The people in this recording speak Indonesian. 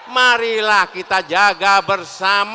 marilah kita jaga bersama